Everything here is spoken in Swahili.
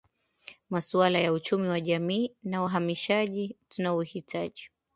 masuala ya uchumi wa jamii na uhamaishaji tunaohitaji